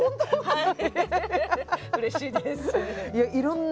はい。